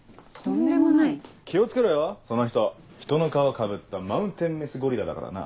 気を付けろよその人人の皮かぶったマウンテンメスゴリラだからな。